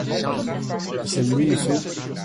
Y sommes-nous, monsieur ?